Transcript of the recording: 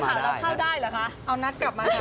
ค่าวได้หรือคะเอานัทกลับมาครับ